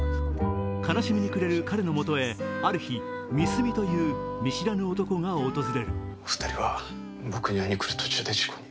悲しみに暮れる彼のもとへある日、三角という見知らぬ男が訪れる。